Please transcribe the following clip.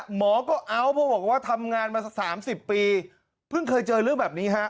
หมอก็เอาเพราะบอกว่าทำงานมา๓๐ปีเพิ่งเคยเจอเรื่องแบบนี้ฮะ